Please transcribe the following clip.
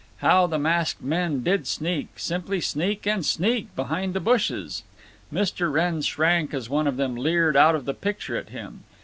How the masked men did sneak, simply sneak and sneak, behind the bushes! Mr. Wrenn shrank as one of them leered out of the picture at him.